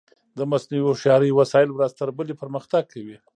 د مصنوعي هوښیارۍ وسایل ورځ تر بلې پرمختګ کوي.